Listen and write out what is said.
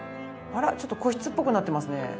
あらちょっと個室っぽくなってますね。